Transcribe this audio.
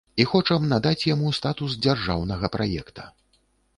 І хочам надаць яму статус дзяржаўнага праекта.